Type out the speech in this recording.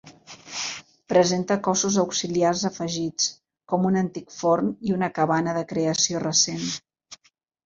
Presenta cossos auxiliars afegits, com un antic forn i una cabana de creació recent.